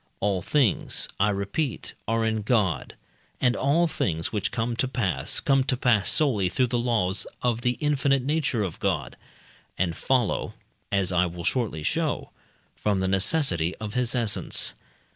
All things, I repeat, are in God, and all things which come to pass, come to pass solely through the laws of the infinite nature of God, and follow (as I will shortly show) from the necessity of his essence.